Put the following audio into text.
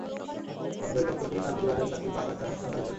অপহরণকারী চক্রটি তাঁর পরিবারের কাছে পাঁচ লাখ টাকা মুক্তিপণ দাবি করে।